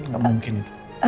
gak mungkin itu